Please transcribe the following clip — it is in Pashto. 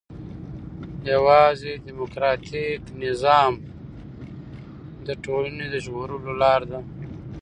يوازي ډيموکراټيک نظام د ټولني د ژغورلو لار ده.